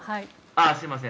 すみません。